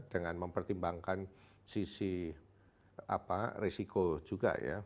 dengan mempertimbangkan sisi risiko juga ya